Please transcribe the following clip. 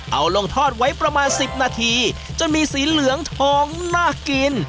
เอาลงทอดไว้ประมาณ๑๐นาทีจนมีสีเหลืองทองน่ากิน